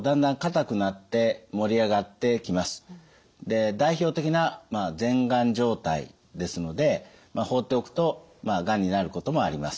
で代表的な前がん状態ですので放っておくとがんになることもあります。